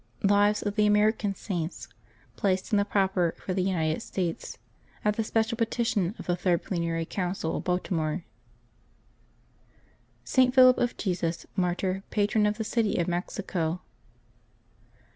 LIVES OF THE AMERICAN SAINTS Placed in the Proper for the United States AT THE SPECIAL PETITION OF THE THIRD PLENARY COUNCIL OF BALTIMORE. ST. PHILIP OF JESUS, Martyr, Patron of the City of Mexico.